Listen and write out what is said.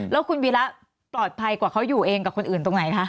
แล้วคุณวีระปลอดภัยกว่าเขาอยู่เองกับคนอื่นตรงไหนคะ